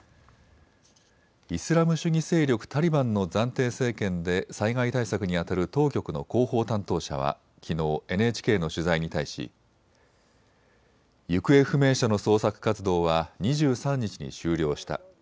イスラム主義勢力タリバンの暫定政権で災害対策に当たる当局の広報担当者はきのうＮＨＫの取材に対し行方不明者の捜索活動は２３日に終了した。